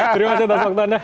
terima kasih atas waktunya